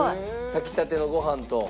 炊きたてのご飯と。